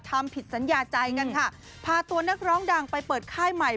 ทำผิดสัญญาใจกันค่ะพาตัวนักร้องดังไปเปิดค่ายใหม่